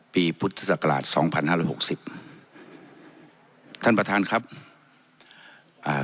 พุทธศักราชสองพันห้าร้อยหกสิบท่านประธานครับอ่า